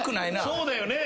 そうだよね。